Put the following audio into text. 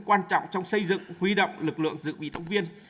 quan trọng trong xây dựng huy động lực lượng dự bị động viên